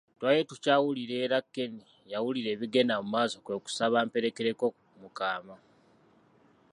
Twali tukyawulira era Ken yawulira ebigenda mu maaso kwe kusaba amperekereko mu kaama.